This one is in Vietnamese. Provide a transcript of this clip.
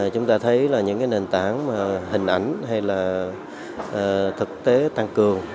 chúng ta thấy là những nền tảng hình ảnh hay là thực tế tăng cường